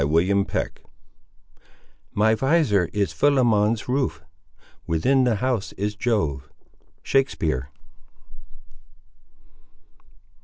CHAPTER XVIII My visor is Philemon's roof; within the house is Jove. —Shakespeare.